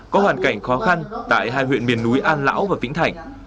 có hoàn cảnh khó khăn tại hai huyện miền núi an lão và vĩnh thảnh